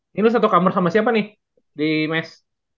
ini udah satu kamar sama siapa nih di mes